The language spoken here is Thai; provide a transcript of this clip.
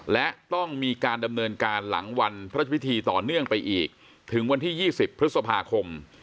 และต้องมีการดำเนินการหลังวันพระพิธีต่อเนื่องไปอีกถึงวันที่๒๐พฤษภาคม